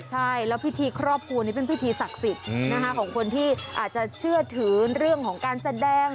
ใช่แล้วพิธีครอบครัวนี้เป็นพิธีศักดิ์สิทธิ์ของคนที่อาจจะเชื่อถือเรื่องของการแสดง